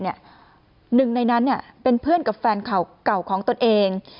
หนึ่งในนั้นเป็นเพื่อนกับแฟนเก่าของตนเอง